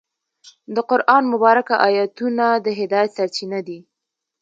د قرآن مبارکه آیتونه د هدایت سرچینه دي.